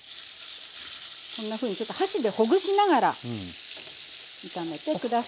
こんなふうにちょっと箸でほぐしながら炒めて下さい。